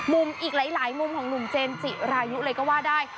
มุมอีกหลายหลายมุมของหนุ่มเจนจิอะหรายุอะไรก็ว่าได้